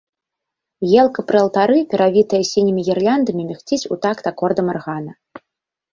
Елка пры алтары, перавітая сінімі гірляндамі, мігціць у такт акордам аргана.